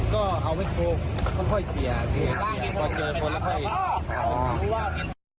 ก็เอาให้โครวเขาค่อยเกียร์ค่อยเกียร์ค่อยเกียร์พอเจอคนแล้วค่อย